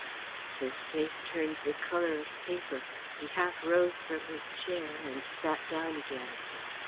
His face turned the colour of paper, he half rose from his chair and sat down again.